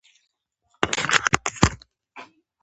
د فدرالي حکومت او تورپوستو اېتلاف دې ته زمینه برابره کړه.